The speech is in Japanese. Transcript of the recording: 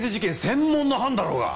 専門の班だろうが！